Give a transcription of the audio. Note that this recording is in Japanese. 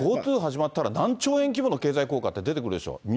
春以降、ＧｏＴｏ始まったら何兆円規模の経済効果って出てくるでしょう？